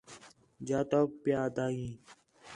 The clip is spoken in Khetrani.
جا تؤک پِیا آہدا ہا